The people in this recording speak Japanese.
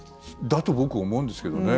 だと僕思うんですけどね。